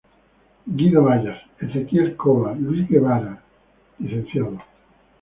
Guido Vayas, Ezequiel Coba, Luis Guevara, Lic.